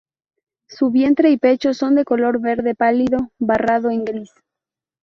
Su vientre y pecho son de color verde pálido barrado en gris.